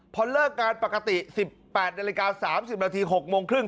พอเลิกการปกติ๑๘นาฬิกา๓๐นาที๖โมงครึ่ง